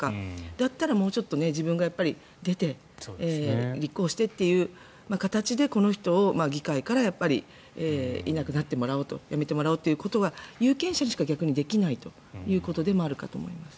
だったら、もうちょっと自分が出て立候補してという形でこの人を議会からいなくなってもらおうと辞めてもらおうということは有権者にしか逆にできないということであるかと思います。